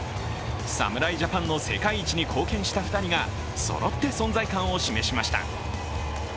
侍ジャパンの世界一に貢献した２人がそろって存在感を示しました。